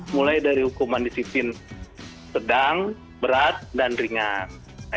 mulai dari hukuman disiplin sedang berat dan ringan